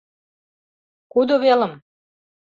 — Кудо велым?